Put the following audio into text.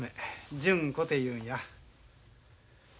純子というんや。